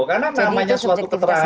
karena namanya suatu keterahan itu